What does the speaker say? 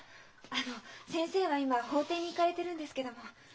あの先生は今法廷に行かれてるんですけども。